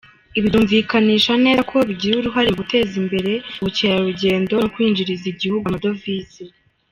Ibi byumvikanisha neza ko bigira uruhare mu guteza imbere ubukerarugendo no kwinjiriza igihugu amadovize.